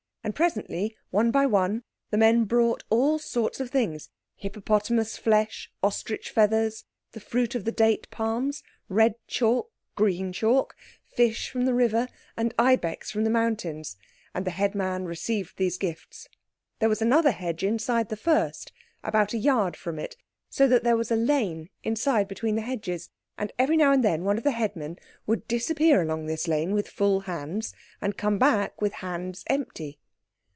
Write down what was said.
And presently, one by one, the men brought all sorts of things—hippopotamus flesh, ostrich feathers, the fruit of the date palms, red chalk, green chalk, fish from the river, and ibex from the mountains; and the headman received these gifts. There was another hedge inside the first, about a yard from it, so that there was a lane inside between the hedges. And every now and then one of the headmen would disappear along this lane with full hands and come back with hands empty.